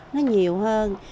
nó nhiều hơn